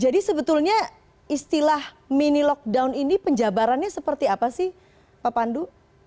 jadi sebetulnya istilah mini lockdown ini penjabarannya seperti apa sih pak pandu